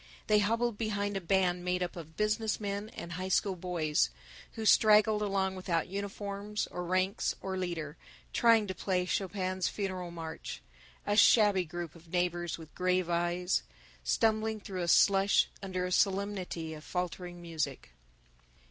They hobbled behind a band made up of business men and high school boys, who straggled along without uniforms or ranks or leader, trying to play Chopin's Funeral March a shabby group of neighbors with grave eyes, stumbling through the slush under a solemnity of faltering music.